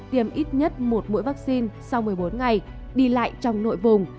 tiêm ít nhất một mũi vaccine sau một mươi bốn ngày đi lại trong nội vùng